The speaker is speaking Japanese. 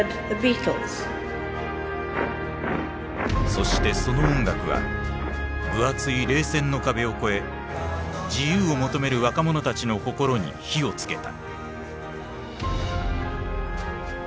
そしてその音楽は分厚い冷戦の壁を越え自由を求める若者たちの心に火を付けた。